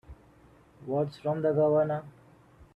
What's from the Governor?